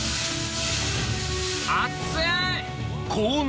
熱い！